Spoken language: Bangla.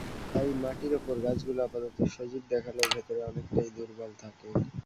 তাই মাটির ওপর গাছগুলো আপাতত সজীব দেখালেও ভেতরে অনেকটাই দুর্বল থাকে।